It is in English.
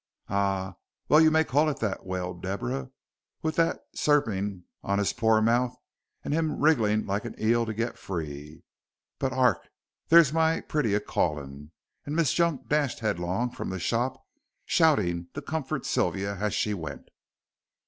"Ah, well you may call it that," wailed Deborah, "with that serping on his poor mouth and him wriggling like an eel to get free. But 'ark, there's my pretty a calling," and Miss Junk dashed headlong from the shop shouting comfort to Sylvia as she went.